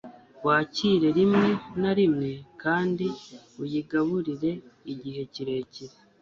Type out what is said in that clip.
wakire rimwe na rimwe, kandi uyigaburire igihe kirekire